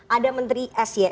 ada menteri s y